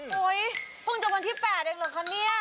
เพิ่งจะวันที่๘เองเหรอคะเนี่ย